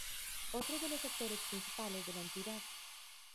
Otro de los sectores principales de la entidad.